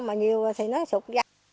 mà nhiều thì nó sụp ra